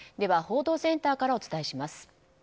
報道センターからお伝えします。